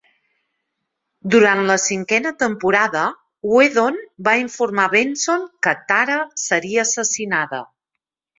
Durant la cinquena temporada, Whedon va informar Benson que Tara seria assassinada.